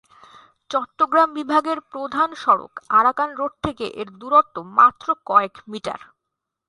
চট্টগ্রাম বিভাগের প্রধান সড়ক আরাকান রোড থেকে এর দূরত্ব মাত্র কয়েক মিটার।